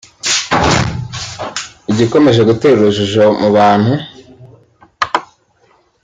Igikomeje gutera urujijo mu bantu